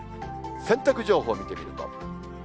洗濯情報を見てみると。